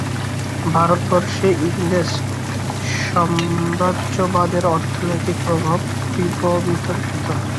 ভারতবর্ষে ইংরেজ সাম্রাজ্যবাদের অর্থনৈতিক প্রভাব বিতর্কিত।